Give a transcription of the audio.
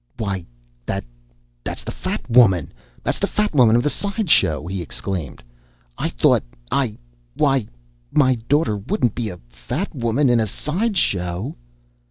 "Why, that that's the Fat Woman! That's the Fat Woman of the side show!" he exclaimed. "I thought I why, my daughter wouldn't be a Fat Woman in a side show!"